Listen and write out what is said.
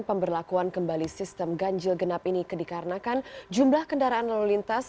pemberlakuan kembali sistem ganjil genap ini dikarenakan jumlah kendaraan lalu lintas